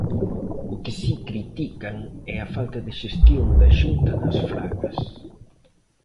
O que si critican é a falta de xestión da Xunta nas Fragas.